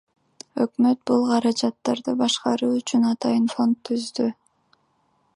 Өкмөт бул каражаттарды башкаруу үчүн атайын фонд түздү.